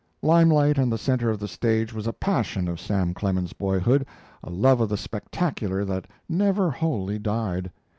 Limelight and the center of the stage was a passion of Sam Clemens's boyhood, a love of the spectacular that never wholly died.